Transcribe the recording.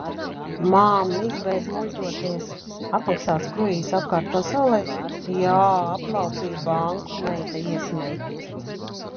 "Mamm, izbeidz muļķoties". Apmaksāts kruīzs apkārt pasaulei? "Jā, aplaupīju banku," meita iesmej.